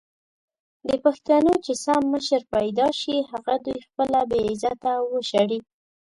د پښتنو چې سم مشر پېدا سي هغه دوي خپله بې عزته او وشړي!